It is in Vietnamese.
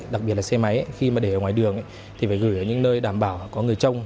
đặc biệt là xe máy khi mà để ở ngoài đường thì phải gửi ở những nơi đảm bảo có người trông